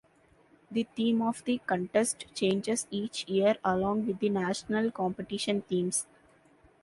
The theme of the contest changes each year along with the National competition themes.